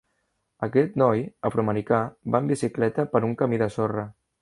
Aquest noi afroamericà va en bicicleta per un camí de sorra.